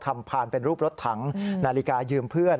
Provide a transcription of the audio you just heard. พานเป็นรูปรถถังนาฬิกายืมเพื่อน